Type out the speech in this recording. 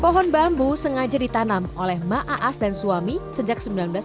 pohon bambu sengaja ditanam oleh ma'aas dan suami sejak seribu sembilan ratus sembilan puluh delapan